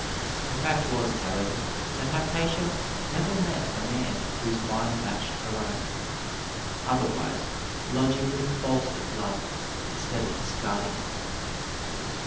The fact was, however, that Hypatia never met a man whose mind matched her own, otherwise logic would have bolstered love, instead of discarding it.